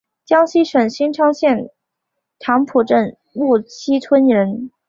江西省新昌县棠浦镇沐溪村人。